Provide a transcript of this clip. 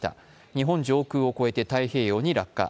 日本上空を超えて太平洋を落下。